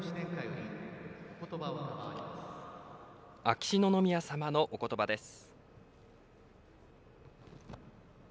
秋篠宮さまのおことばです。